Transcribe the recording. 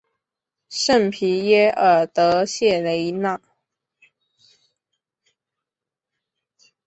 圣皮耶尔德谢雷内。